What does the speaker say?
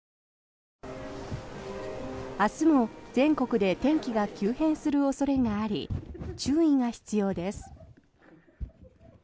明日も全国で天気が急変する恐れがあり注意が必要です。